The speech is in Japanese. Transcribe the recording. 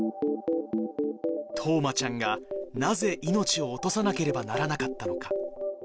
冬生ちゃんがなぜ命を落とさなければならなかったのか。